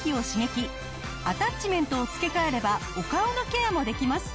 アタッチメントを付け替えればお顔のケアもできます。